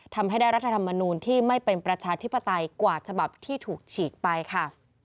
ทำให้ได้รัฐธรรมนูลที่ไม่เป็นประชาธิปไตยกว่าฉบับที่ถูกฉีกไปค่ะ